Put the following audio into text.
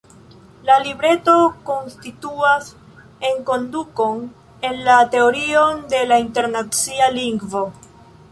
La libreto konstituas enkondukon en la teorion de la Internacia Lingvo.